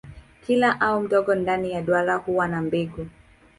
Kila ua mdogo ndani ya duara huwa na mbegu.